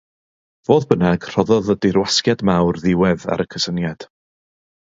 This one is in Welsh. Fodd bynnag, rhoddodd y Dirwasgiad Mawr ddiwedd ar y cysyniad.